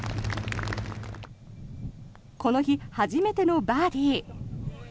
この日初めてのバーディー。